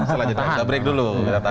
selanjutnya break dulu